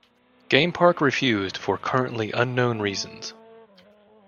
Game Park refused, for currently unknown reasons.